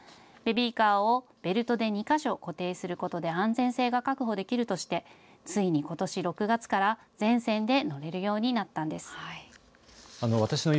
ベビーカーをベルトで２か所固定することで安全性が確保できるとしてついにことし６月から全線で乗れるようになったんです。